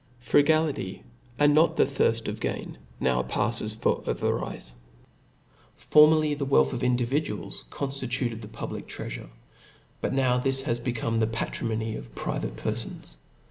Frugalityi and not the thirft. of gain, » now pafles foi* ava rice* Formerly the wealth of individuals confti tuted the public treafure; but now this is become the patrimony of private perlbns.